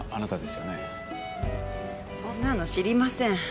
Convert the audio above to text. そんなの知りません。